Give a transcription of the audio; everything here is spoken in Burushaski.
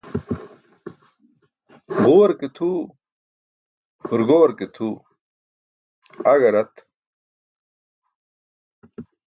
Ġuwar ke tʰuu, hurgowar ke tʰuu, aẏa rat.